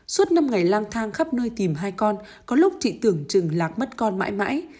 suốt năm ngày lang thang khắp nơi tìm hai con có lúc chị tưởng chừng lạc mất con mãi mãi